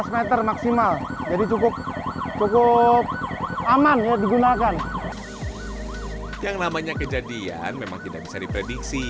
seratus meter maksimal jadi cukup cukup aman mau digunakan yang namanya kejadian memang tidak bisa diprediksi